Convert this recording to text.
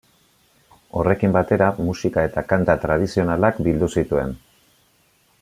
Horrekin batera musika eta kanta tradizionalak bildu zituen.